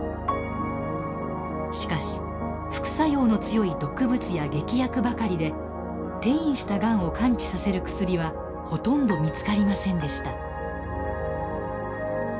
しかし副作用の強い毒物や劇薬ばかりで転移したがんを完治させる薬はほとんど見つかりませんでした。